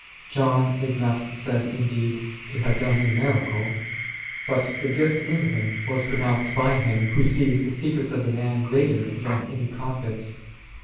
John is not said indeed to have done any miracle ; but the gift in him was pronounced by Him Who sees the secrets of a man greater than any prophet's.